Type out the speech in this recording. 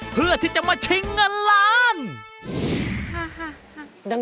เพื่อที่จะมาชิงเงินล้าน